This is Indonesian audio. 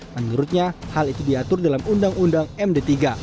menurutnya hal itu diatur dalam undang undang md tiga